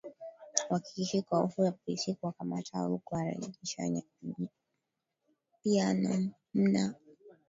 wakiishi kwa hofu ya polisi kuwakamata au kuwarejesha Myanmar